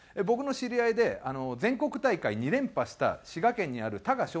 僕の知り合いで全国大会２連覇した滋賀県にある多賀